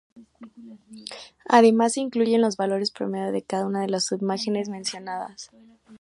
Además se incluyen los valores promedio de cada una de las sub-imágenes mencionadas.